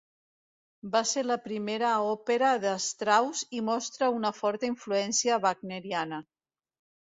Va ser la primera òpera de Strauss i mostra una forta influència wagneriana.